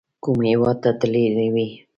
کوم هیواد ته تللي وئ؟